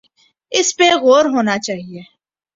اس پہ غور ہونا چاہیے۔